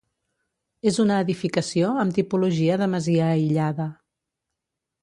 És una edificació amb tipologia de masia aïllada.